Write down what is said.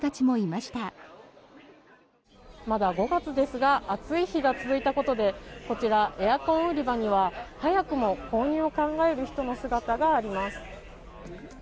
まだ５月ですが暑い日が続いたことでこちら、エアコン売り場には早くも購入を考える人の姿があります。